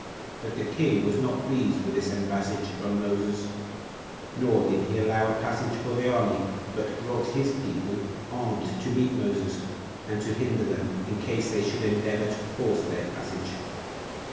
But the king was not pleased with this embassage from Moses: nor did he allow a passage for the army, but brought his people armed to meet Moses, and to hinder them, in case they should endeavor to force their passage.